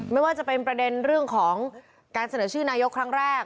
ไม่ว่าจะเป็นประเด็นเรื่องของการเสนอชื่อนายกครั้งแรก